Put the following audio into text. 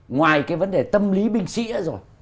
ngoài cái vấn đề tâm lý binh sĩ đó rồi